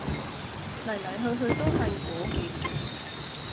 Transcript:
黎黎去去都係果幾種